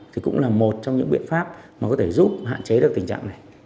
thì cũng là một trong những biện pháp mà có thể giúp hạn chế được tình trạng này